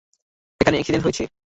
এখানে এক্সিডেন্ট হয়েছে।